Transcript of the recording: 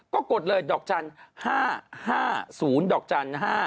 ก็กดเลยดอกจันทร์๕๕๐ดอกจันทร์๕